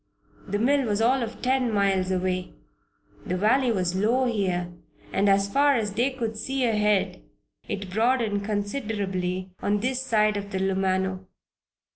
The mill was all of ten miles away. The valley was low here and as far as they could see ahead it broadened considerably on this side of the Lumano.